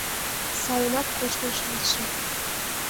Сайынак кочкын шындышым.